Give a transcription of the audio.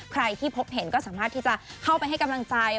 ใครที่พบเห็นก็สามารถที่จะเข้าไปให้กำลังใจ